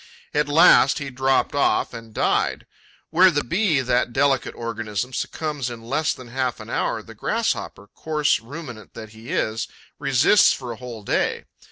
At last, he dropped off and died. Where the Bee, that delicate organism, succumbs in less than half an hour, the Grasshopper, coarse ruminant that he is, resists for a whole day.